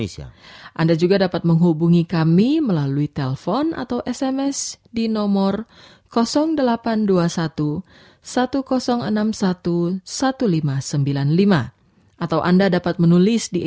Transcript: saudara semua itu telah pasti